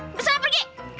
udah sana pergi